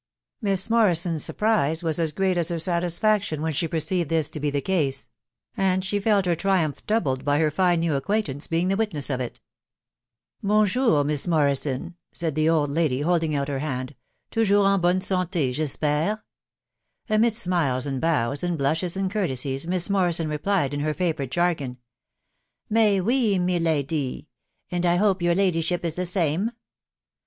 Miss Morrison's surprise was as great aa her aatisfaetki when she perceived this to be the case; and she felt her triumjk doubled by her fine new acquaintance being the witness of it " Bon jour, Miss Morrison/' said the old lady, holding cat her hand ;" toujour 8 en bonne sante fespere ?" Amidst smiles and bows, and blushes and courtesies, Ilia Morrison replied* in her favourite jargon, —" Mey we, me ladee .•.• and I hope your ladyship is the same.